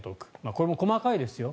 これも細かいですよ。